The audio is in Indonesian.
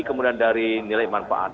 kemudian dari nilai manfaat